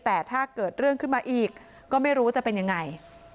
แต่ถ้าเกิดเรื่องขึ้นมาอีกก็ไม่รู้ว่าจะเป็นยังไง